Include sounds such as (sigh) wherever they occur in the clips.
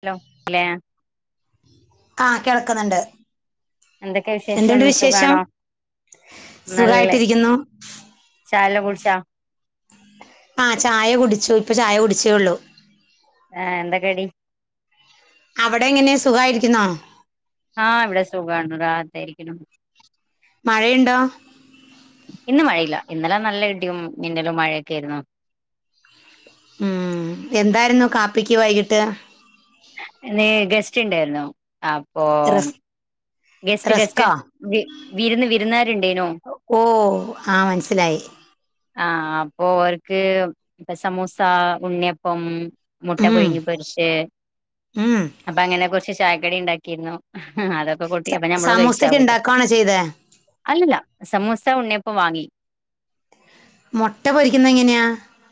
Hello (unintelligible) ആഹ് കേൾക്കുന്നുണ്ട് എന്തൊക്കെ വിശേഷം എന്തുണ്ട് സുഖാണോ വിശേഷം സുഖായിട്ടിരിക്കുന്നു ചായയെല്ലാം കുടിച്ചാ ആഹ് ചായ കുടിച്ചു ഇപ്പം ചായ കുടിച്ചേയുള്ളൂ ആഹ് എന്താ കടി അവിടെ എങ്ങനെ സുഖായിരിക്കുന്നോ ആഹ് ഇവിടെ സുഖുമാണടാ വെറുതെയിരിക്കുന്നു മഴയുണ്ടോ ഇന്ന് മഴയില്ല ഇന്നലെ നല്ല ഇടിയും മിന്നലും മഴയൊക്കെ ആയിരുന്നു ഉം എന്തായിരുന്നു കാപ്പിക്ക് വൈകിട്ട് ഇന്ന് ഗസ്റ്റ് ഉണ്ടായിരുന്നു അപ്പൊ റസ് ഗസ്റ്റ് ഗസ്റ്റ് റസ്കോ വി വിരുന്ന് വിരുന്നാരുണ്ടാനു ഓ ആഹ് മനസ്സിലായി ആഹ് അപ്പൊ ഓർക്ക് സമുസ ഉണ്ണിയപ്പം മുട്ട ഉം പുഴുങ്ങി പൊരിച്ച് ഉം അപ്പൊ അങ്ങനെ കുറച്ച് ചായക്കടി ഉണ്ടാക്കിയിരുന്നു ആഹ് അതൊക്കെ കൊ സമൂസക്ക്‌ ഉണ്ടാക്കാണോ ചെയ്തെ അല്ല അല്ല സമൂസ ഉള്ളിയപം വാങ്ങി മുട്ട പൊരിക്കുന്ന എങ്ങനെയാ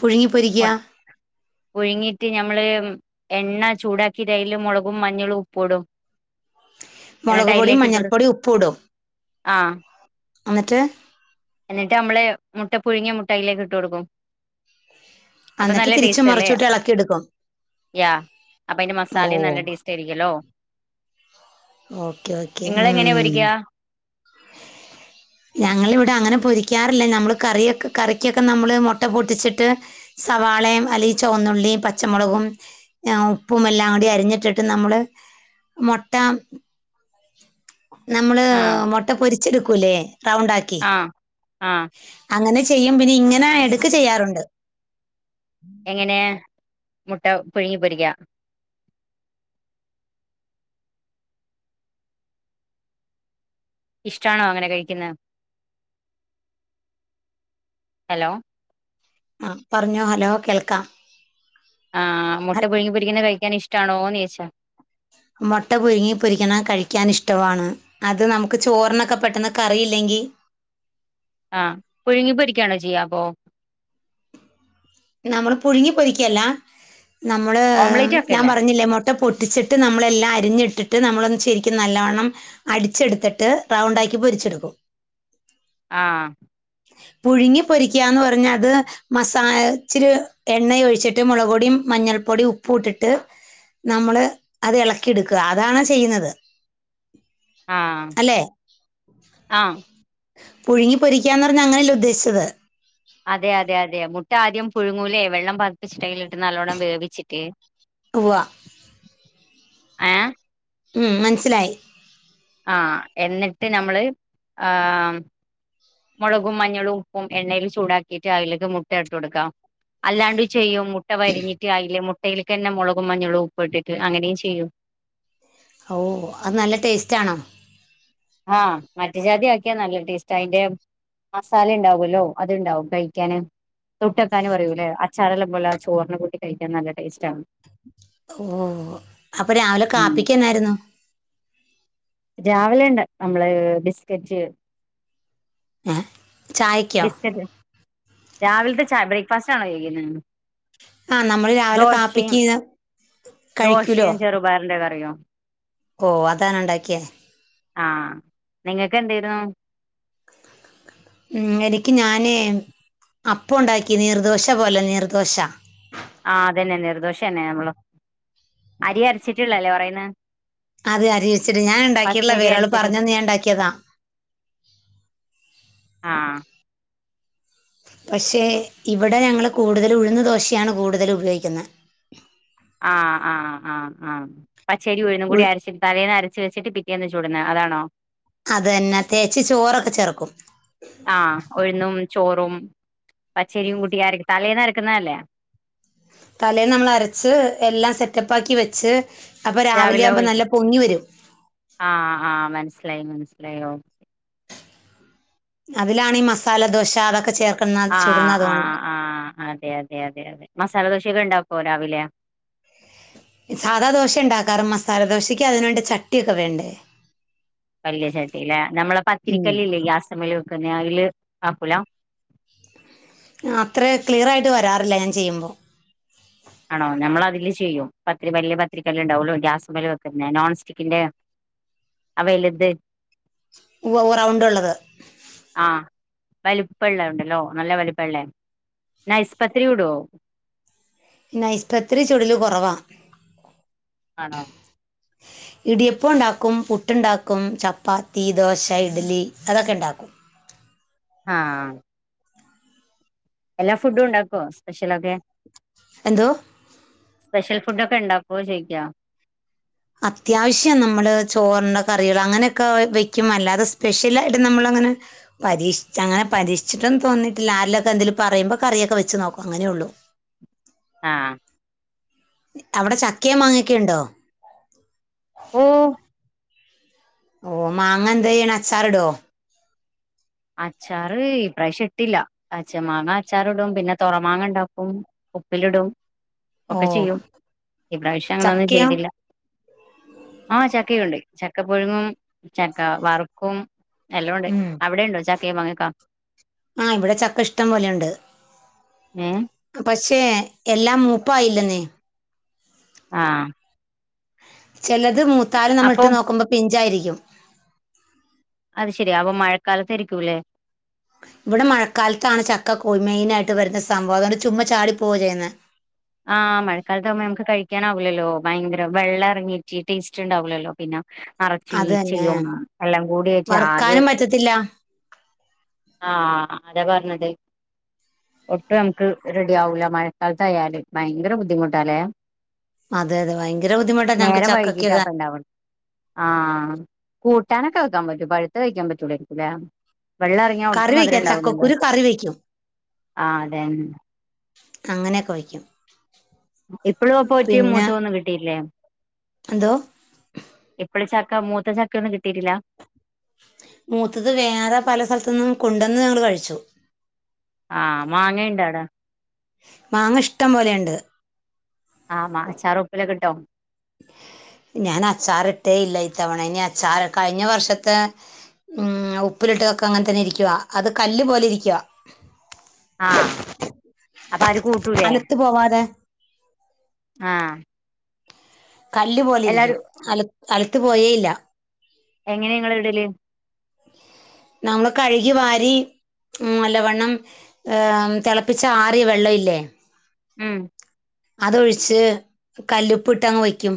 പുഴുങ്ങി മു പൊരിക്കുക പുഴുങ്ങിട്ട് ഞമ്മള് എണ്ണ ചൂടാക്കിട്ട് അയില് മുളകും മഞ്ഞളും ഉപ്പു ഇടും എന്നിട്ട് മുളക് പൊടിയും അയിലേക്ക് ഇട്ട് കൊടു മഞ്ഞൾപ്പൊടിയും ഉപ്പും ഇടും ആഹ് എന്നിട്ട് എന്നിട്ട് ഞമ്മള് മുട്ട പുഴുങ്ങിയ മുട്ട അയിലേക്ക് ഇട്ട് കൊടുക്കും അപ്പൊ എന്നിട്ട് നല്ല തിരിച്ചും ടേസ്റ്റ് അല്ലേ മറിച്ചിട്ട് ഇളക്കി എടുക്കും യാ അപ്പൊ അയിന്റെ ഓ മസാലയും നല്ല ടേസ്റ്റ് ആയിരി ക്കുലോ ഓക്കെ ഓക്കെ ഉം ഇങ്ങളെങ്ങനെ പൊരിക്കാ ഞങ്ങളിവിടെ അങ്ങനെ പൊരിക്കാറില്ല നമ്മൾ കറിയൊക്കെ കറിക്കൊക്കെ നമ്മൾ മുട്ട പൊട്ടിച്ചിട്ട് സവാളയും അല്ല ചുവന്നുള്ളി പച്ചമുളകും ഉപ്പും എല്ലാം കൂടി അരിഞ്ഞിട്ടിട്ട് നമ്മള് മുട്ട നമ്മൾ ആഹ് മുട്ട പൊരിച്ചെടുക്കൂല്ലേ റൗണ്ട് ആക്കി ആഹ് ആഹ് അങ്ങനെ ചെയ്യും പിന്നെ ഇങ്ങനെ ഇടക്ക് ചെയ്യാറുണ്ട് എങ്ങനെ മുട്ട പുഴുങ്ങി പൊരിക്ക ഇഷ്ടാണോ അങ്ങനെ കഴിക്കുന്നെ ഹലോ ആഹ് പറഞ്ഞോ ഹലോ കേൾക്കാം ആഹ് മുട്ട ഹൽ- പുഴുങ്ങി പൊരിക്കുന്ന കഴിക്കാൻ ഇഷ്ടണോന്ന് ചോയിച്ചാ മുട്ട പുഴുങ്ങി പൊരിക്കണ കഴിക്കാൻ ഇഷ്ടവാണ് അത് നമുക്ക് ചോറിനൊക്കെ പെട്ടെന്ന് കറിയില്ലെങ്കിൽ ആഹ് പുഴുങ്ങിപ്പോരിക്കണോ ചെയ്യാ അപ്പൊ നമ്മൾ പുഴുങ്ങി പൊരിക്കല്ല നമ്മൾ ഓംലേറ്റ് ഞാൻ ആക്കല്ലേ പറഞ്ഞില്ലേ മു ട്ട പൊട്ടിച്ചിട്ട് നമ്മളെല്ലാം അരിഞ്ഞിട്ടിട്ട് നമ്മളൊന്ന് ശരിക്കും നല്ലവണ്ണം അടിച്ചെടുത്തിട്ട് റൗണ്ട് ആക്കി പൊരിച്ചെടുക്കും ആഹ് പുഴുങ്ങി പൊരിക്കാന്ന് പറഞ്ഞ അത് മസാ ഇച്ചിരി എണ്ണ ഒഴിച്ചിട്ട് മുളക് പൊടിയും മഞ്ഞൾപ്പൊടിയും ഉപ്പു ഇട്ടിട്ട് നമ്മൾ അത് ഇളക്കി എടുക്കുക അതാണ് ചെയ്യുന്നത് ആഹ് അല്ലെ ആഹ് പുഴുങ്ങി പൊരിക്കാന്ന് പറഞ്ഞാ അങ്ങനെയല്ല ഉദ്ദേശിച്ചത് അതെ അതെ അതെ മുട്ട ആദ്യം പുഴുങ്ങൂലേ വെള്ളം പതിപ്പിച്ചിട്ട് അയിലിട്ട് നല്ലോണം വേവിച്ചിട്ട് ഉവ്വാ ഏഹ് ഉം മനസ്സിലായി ആഹ് എന്നിട്ട് നമ്മൾ ആഹ് മുളകും മഞ്ഞളും ഉപ്പും എണ്ണേൽ ചൂടാക്കിയിട്ട് അയിലേക്ക് മുട്ട ഇട്ട് കൊടുക്കാം അല്ലാണ്ട് ചെയ്യും മുട്ട വരിഞ്ഞിട്ട് അയില് മുട്ടയിലേക്ക് തന്നെ മുളകും മഞ്ഞളും ഉപ്പു ഇട്ടിട്ട് അങ്ങനെയും ചെയ്യും ഓഹ് അത് നല്ല ടേസ്റ്റ് ആണോ ആഹ് മറ്റു ജാതി ആക്കിയാ നല്ല ടേസ്റ്റ് അയിന്റെ മസാല ഉണ്ടാവുല്ലോ അത്ണ്ടാവും കഴിക്കാന് തൊട്ടക്കാന് പറയൂല്ലേ ശകല പോലെ ആ ചോറിന് കൂട്ടി കഴിക്കാൻ നല്ല ടേസ്റ്റ് ആണ് ഓഹ് അപ്പൊ രാവിലെ കാപ്പിക്ക്‌ എന്നായിരുന്നു രാവിലെ ഉണ്ട് നമ്മള് ബിസ്കറ്റ് ഏ ചായക്കോ ബിസ്ക്കറ്റ് രാവിലത്തെ ചാ ബ്രേക്ക്ഫാസ്റ്റ് ആണോ ചോയിക്കുന്നെ ആഹ് നമ്മള് രാവിലെ ദോശയും കാപ്പിക്ക് കഴിക്കൂലോ ദോശയും ചെറുപയറിന്റെ കറിയോ ഓ അതാണ് ഉണ്ടാക്കിയേ ആ നിങ്ങൾക്ക് എന്തേനു ഉ ഇങ്ങേര്ക്ക് ഞാനേ അപ്പുണ്ടാക്കി നീർ ദോശ പോലെ നീർ ദിശ ആ അതന്നെ നീർ ദോശ തന്നെ നമ്മള് അരി അരച്ചിട്ടുള്ളല്ലേ പറയന്ന് അത് അരിവച്ചിട്ട് ഞാൻ ഉണ്ടാക്കയിള്ള ഒരാൾ പറഞ്ഞന്ന് ഞാൻ ഉണ്ടാക്കിയതാ ആ പക്ഷേ ഇവിടെ ഞങ്ങൾ കൂടുതൽ ഉഴുന്ന് ദോശയാണ് കൂടുതല ഉപയോഗിക്കുന്നത് ആ ആ ആ ആ പച്ചരി ഉഴുന്നും ഉ കൂടി അരച്ചി തലേന്ന് അരച്ച് വെച്ചിട്ട് പിറ്റേന്ന് ചുടുന്നത് അതാണോ അത് തന്നെ തേച്ച ചോറൊക്കെ ചേർക്കും ആഹ ഒഴുന്നും ചോറും പച്ചരിയും കൂട്ടി അരക്ക് തലേന്ന് തലേന്ന അരക്കുന്ന അല്ലേ തലേന്ന് നമ്മൾ അരച്ച് എല്ലാം സെറ്റപ്പാക്കി വെച്ച് അപ്പൊ രാവിലെ ആകുമ്പോൾ നല്ല പൊങ്ങി വരും ആ ആ മനസ്സിലായി മനസ്സിലായി ഓ അതിലാണ് ഈ മസാല ദോശ അതൊക്കെ ചേർക്കും ആ ആ ആ അതെ അതെ അതെ അതെ മസാല ദോശൊക്കെ ഉണ്ടാക്കുമോ രാവിലെ സാധാ ദോശ ഉണ്ടാക്കാററ് മസാല ദോശയ്ക്ക് അതിനുവേണ്ടി ചട്ടിയൊക്കെ വേണ്ടേ വലിയ ചേട്ടല്ലേ നമ്മള ഉം പത്തിരിക്കല്ല ഇല്ലേ ഗ്യാസ് മേലെ വെക്കുന്ന അതില് ആക്കൂലോ അത്ര ക്ലിയർയിട്ട് വരാറില്ല ഞാൻ ചെയ്യുമ്പോൾ ആണോ നമ്മൾ അതില് ചെയ്യും പത്തിരി കല്ല് പത്തിരിക്കല് ഉണ്ടാവുള്ളൂ ഗ്യാസ് പല് വെക്കുന്ന നോൺ സ്റ്റിക്കിന്റെ ആ വലുത് റൗണ്ട് ഉള്ളത് ആഹ വലിപ്പള്ള ഉണ്ടല്ലോ നല്ല വലിപ്പള്ള നൈസ് പത്തിരി ചൂടോ പിന്നെ നൈസ് പത്തിരി ചൊടിൽ കുറവാണ് ആണോ (inaudible) ഇടിയപ്പോം ഉണ്ടാക്കും പുട്ടുണ്ടാക്കും ചപ്പാത്തി ദോശ ഇഡ്ലി അതൊക്കെ ഉണ്ടാക്കും ആ എല്ലാം ഫുഡും ഉണ്ടാക്കോ സ്പെഷ്യൽ ഒക്കെ എന്തോ സ്പെഷ്യൽ ഫുഡ് ഒക്കെ ഉണ്ടാക്കുമെന്ന് ചോദിക്കാം അത്യാവശ്യം നമ്മള് ചോറിൻ്റെ കറികൾ അങ്ങനെയൊക്കെ വയ്ക്കും അല്ലാതെ സ്പെഷ്യലായിട്ട് നമ്മൾ അങ്ങനെ പരീക്ഷ അങ്ങനെ പരീക്ഷിട്ടും തോന്നിട്ടില്ല ആരെങ്കിലുമൊക്കെ എന്തെങ്കിലും പറയുമ്പോൾ കറിയൊക്കെ വെച്ച് നോക്ക അങ്ങനെ ഉള്ളു ആ അവിടെ ചക്കയും മാങ്ങയും ഒക്കെ ഉണ്ടോ ഓ ഓ മാങ്ങ എന്ത് ചെയ്യണം അച്ചാർ ഇടും അച്ചാറ് ഇപ്രാവശ്യം ഇട്ടില്ല പച്ച മാങ്ങ അച്ചാർ ഇടും പിന്നെ തൊറമാങ്ങ ഇണ്ടാക്കും. ഉപ്പിലിടും ഓ ഒക്കെ ചെയ്യും ഇപ്രാവശ്യം അങ്ങനൊന്നും ചക്കയോ ചെയ്തില്ല. ആ ചക്കയും ഉണ്ട് ചക്ക പുഴുങ്ങും ചക്ക വറു ക്കും എല്ലാം ഉണ്ട് ഉം അവിടെ ഉണ്ടോ ചക്കേ മാങ്ങേക്കെ? ആഹ് ഇവിടെ ചക്ക ഇഷ്ടം പോലെയുണ്ട്. ഉം പക്ഷേ എല്ലാം മൂപ്പായില്ലെന്നേ ആഹ് ചെലത് മൂത്താലും നമ്മളിട്ട് അപ്പം നോക്കുമ്പോ പിഞ്ചായിരിക്കും. അത് ശെരിയാ അപ്പൊ മഴക്കാലത്ത് ഇരിക്കൂല്ലേ? ഇവിടെ മഴക്കാലത്താണ് ചക്കക്കോ മെയിനായിട്ട് വരുന്ന സംഭവം അതുകൊണ്ട് ചുമ്മാ ചാടി പോവ്വ ചെയ്യുന്നേ. ആഹ് മഴക്കാലത്ത് ആകുമ്പോ നമുക്ക് കഴിക്കാനാവൂലല്ലോ ഭയങ്കര വെള്ളം ഇറങ്ങിയിട്ട് ടേസ്റ്റ് ഉണ്ടാവില്ലല്ലോ പിന്നെ നറച്ചു അത് തന്നെ ഈച്ചയുആണ് എല്ലാം കൂടി ജ് ആകെ ത്തില്ല ആഹ് ആത പറഞ്ഞത്. ഒട്ടും നമക്ക് റെഡി ആവൂല്ല മഴക്കാലത്തായാലെ ഭയങ്കര ബുദ്ധിമുട്ടാല്ലേ? അതെ അതെ ഭയങ്കര ബുദ്ധിമുട്ട ഞങ്ങക്ക് നേരം ചക്കക്യൊക്കെ വൈകീട്ടാ അപ്പ ഉണ്ടാവുള്ളൂ ആഹ് കൂട്ടാനൊക്കെ വെക്കാൻ പറ്റും പഴുത്ത കഴിക്കാൻ പറ്റുള്ളായിരിക്കൂല്ലേ? കറി ഒട്ടും മധുരം വെക്കാം ഉണ്ടാവുലല്ലോ ചക്കക്കുരു കറി വെക്കും ആഹ് അതെന്നേ. അങ്ങനയൊക്കെ വെയ്ക്കും. ഇപ്പോഴും അപ്പൊ ഒറ്റയും മൂത്ത ഒന്നും കിട്ടിയില്ലേ? എന്തോ? എപ്പള് ചക്ക മൂത്ത ചക്ക ഒന്നും കിട്ടിട്ടില്ല. മൂത്തത് വേറെ പല സ്ഥലത്തു നിന്നും കൊണ്ടെന്ന് ഞങ്ങള് കഴിച്ചു. ആഹ് മാങ്ങ ഉണ്ടോ അവിടേ? മാങ്ങ ഇഷ്ടം പോലെയിണ്ട്. ആഹ് മാങ്ങച്ചാറ് ഉപ്പിലക്കെ ഇട്ടോ? ഞാൻ അച്ചാറിട്ടേ ഇല്ല ഇത്തവണ ഇനി അച്ചാർ കഴിഞ്ഞ വർഷത്തെ ഉം ഉപ്പിലിട്ടതൊക്കെ അങ്ങനെ തന്നെ ഇരിക്കുവ അത് കല്ല് പോലെ ഇരിക്കുവ. ആഹ് അപ്പ അര് കൂട്ടൂല്ലേ? അലത്ത് പോവാതെ ആഹ്. കല്ല് പോലെ ഇരിക്കും അല അലത്ത് പോയെയില്ല. എങ്ങനെ നിങ്ങള് ഇടല്? നങ്ങള് കഴുകി വാരി ഉം നല്ലവണ്ണം ഏഹ് തിളപ്പിച്ചാറിയ വെള്ളം ഇല്ലേ? ഉം അതൊഴിച്ച് കല്ലുപ്പ് ഇട്ടങ്ങ് വയ്ക്കും.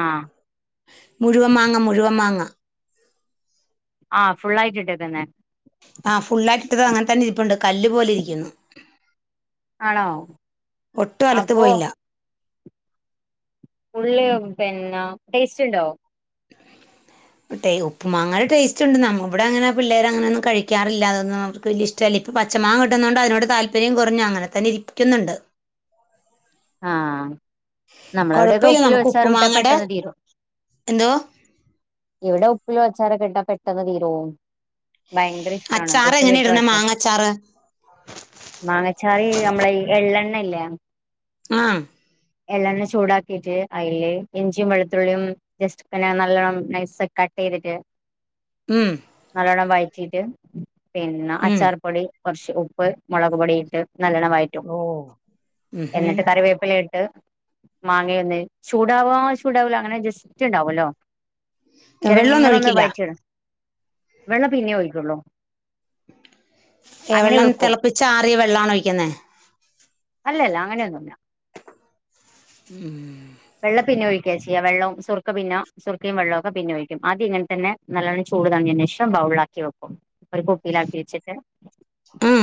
ആഹ്. മുഴുവൻ മാങ്ങ മുഴുവൻ മാങ്ങ. ആഹ് ഫുള്ളായിട്ടിട്ട് തന്നെ ആഹ് ഫുള്ളായിട്ടിട്ടത് അങ്ങനെ തന്നെ ഇരുപ്പുണ്ട് കല്ല് പോലെ ഇരിക്കുന്നു. ആണോ ഒട്ടും അലത്ത് അപ്പൊ പോയില്ല. ഉള്ളി പിന്ന ടേസ്റ്റ് ഇണ്ടോ? (inaudible) ടെയ് ഉപ്പ് മാങ്ങടെ ടേസ്റ്റ് ഉണ്ട്ന്നമ്മ ഇവിടെ അങ്ങനെ പിള്ളേർ അങ്ങനൊന്നും കഴിക്കാറില്ല അതൊന്നും അവർക്ക് വലിയ ഇഷ് ട്ടല്ല ഇപ്പ പച്ച മാങ്ങ കിട്ടുന്നൊണ്ട് അതിനോട് താല്പര്യം കൊറഞ്ഞു അങ്ങനെ തന്നെ ഇരിക്കുന്നുണ്ട്. ആഹ് നമ്മളവിടെയക്കെ കൊഴപ്പമില്ല ഉപ്പിൽ നമുക്ക് വെച്ചാറൂട്ടാ ഉപ്പുമാങ്ങയുടെ പെട്ടെന്ന് തീരും എന്തോ ഇവിടെ ഉപ്പിൽ വെച്ചാരക്കെട്ടാ പെട്ടന്ന് തീരവും. ഭയങ്കര ഇഷ്ടവാണ് അച്ചാറ് എങ്ങനെ ഉപ്പില്ലിട്ട് ഇടണെ വച്ചാ മാങ്ങ അച്ചാറ് മാങ്ങച്ചാറി നമ്മളെ ഈ എള്ളെണ്ണല്ലേ? ആഹ് എള്ളെണ്ണ ചൂടാക്കിട്ട് അയില് ഇഞ്ചിയും വെളുത്തുള്ളിയും ന്ന് ജസ്റ്റ് പിന്നെ നല്ലോണ്ണം നൈസ് കട്ട് ചെയ്തിട്ട് ഉം നല്ലോണ്ണം വയറ്റിട്ട് പിന്നെ ഉം അച്ചാർ പൊടി കുറച്ച് ഉപ്പ് മുളക് പൊടിയിട്ട് നല്ലോണം വയറ്റും ഓ ഉഹും വേപ്പിലയിട്ട് മാങ്ങ ഒന്ന് ചൂടാവ ചൂടാവൂല അങ്ങനെ ജസ്റ്റ് ഉണ്ടാവുല്ലോ ഉം വെള്ളൊന്നും ചെറങ്ങനെ ഒന്ന് ഒഴിക്കില്ല വയറ്റിയിടും വെള്ളം പിന്നെ ഒയിക്കുള്ളൂ എ വെള്ളം തിളപ്പിച്ചാറിയ വെള്ളാണ് ഒഴിക്കുന്നേ അല്ലല്ല അങ്ങനെയൊന്നുല്ലാ ഉം വെള്ളം പിന്നൊഴിക്കുക ചെയ്യാ വെള്ളവും സുർക്ക പിന്നാ സുർക്കയും വെള്ളവുംക്കെ പിന്നൊഴിക്കും ആദ്യം ഇങ്ങനെ തന്നെ നല്ലവണ്ണം ചൂട് താങ്ങിയതിന് ശേഷം ബൗളിലാക്കി വെക്കും ഒരു കുപ്പിയിലാക്കി വെച്ചിട്ട് ഉം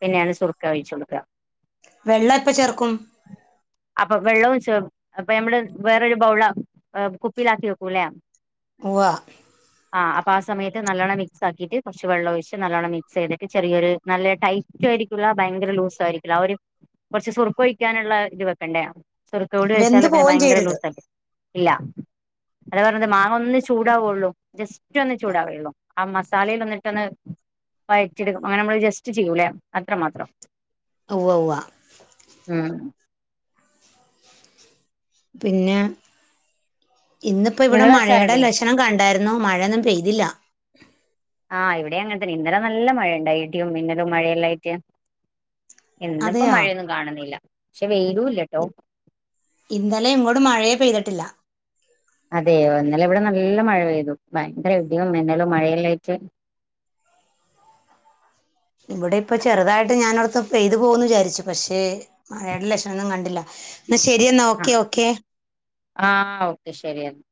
പിന്നെയാണ് സുർക്ക ഒഴിച്ചു കൊടുക്കുക വെള്ളം എപ്പ ചേർക്കും അപ്പൊ വെള്ളവും ചെ അപ്പൊഞമ്മള് വേറൊരു ബൗളില് കുപ്പിലാക്കി വെക്കൂല്ലെ ഉവ്വ ആഹ് അപ്പ ആ സമയത്ത് നല്ലോണം മിക്സ് ആക്കിയിട്ട് കുറച്ച് വെള്ളം ഒഴിച്ച് നല്ലോണം മിക്സ് ചെയ്തിട്ട് ചെറിയൊരു നല്ല ടൈ റ്റായിരിക്കൂല്ല ഭയങ്കര ലൂസായിരിക്കൂല്ല ആ ഒരു കുറച്ച് സുറുക്കൊഴിക്കാനുള്ള ഇത് വെ ക്കണ്ടയ വെന്ത് സുറുക്കകൂടിഒഴിച്ചാല് പിന്നെ പോവേം ഭയങ്കര ചെയ്യരുത് ലൂസായ് ഇല്ല അതാ പറഞ്ഞത് മാങ്ങ ഒന്ന് ചൂടാവുള്ളൂ ജസ്റ്റ് റ്റൊന്ന് ചൂടാവേയുള്ളൂ ആ മസാലേലൊന്നിട്ടൊന്ന് വയറ്റ്യെടുക്കും അങ്ങനെ നമ്മള് ജസ്റ്റ് ചെയ്യൂല്ലേ അത്രമാത്രം ഉവ്വ ഉവ്വ ഉം പിന്നെ ഇന്നിപ്പോ ഇവിടെ നിങ്ങള് മഴയുടെ അച്ചാറിടല് ലക്ഷണം കണ്ടായിരുന്നു മഴയൊന്നും പെയ്തില്ല. ആഹ് ഇവിടെയും അങ്ങന തന്നെ ഇന്നലെ നല്ല മഴയുണ്ടായി ഇടിയും മിന്നലും മഴയെല്ലായിട്ട് ഇന്നിപ്പോ അതെയോ മഴയൊന്നും കാണുന്നില്ല പക്ഷെ വെയിലൂല്ലട്ടോ ഇന്നലെ ഇങ്ങോട് മഴയെ പെയ്തിട്ടില്ല അതെയോ ഇന്നലെ ഇവിടെ നല്ല മഴ പെയ്തു ഭയങ്കര ഇടിയും മിന്നലും മഴയെല്ലായിട്ട് ഇവിടെ ഇപ്പൊ ചെറുതായിട്ട് ഞാനോർത്ത് പെയ്തു പോകുന്ന് വിചാരിച്ചു പക്ഷേ മഴേടെ ലക്ഷണൊന്നും കണ്ടില്ല എന്നാ ശരിയെന്നാ ഓക്കെ ഓക്കെ ആഹ് ഓക്കെ ശരിയെന്ന